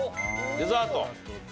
デザート？